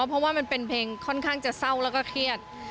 เพราะว่ามันเป็นเพลงค่อนข้างจะเศร้าแล้วก็เครียด